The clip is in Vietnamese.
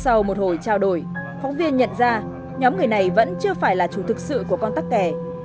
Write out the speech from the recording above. sau một hồi trao đổi phóng viên nhận ra nhóm người này vẫn chưa phải là chủ thực sự của con tắc kè